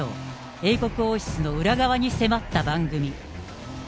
英国王室の裏側に迫った番組。